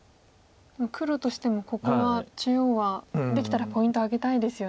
黒としてもここは中央はできたらポイント挙げたいですよね。